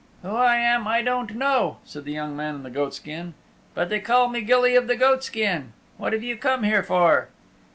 "Who I am I don't know," said the young man in the goatskin, "but they call me Gilly of the Goatskin. What have you come here for?"